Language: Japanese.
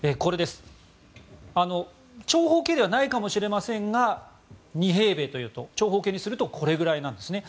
長方形ではないかもしれませんが２平米というと長方形にするとこれくらいなんですね。